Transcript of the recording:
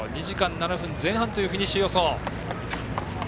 ２時間７分前半というフィニッシュ予想。